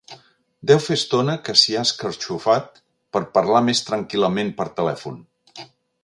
Deu fer estona que s'hi ha escarxofat per parlar més tranquil·lament per telèfon.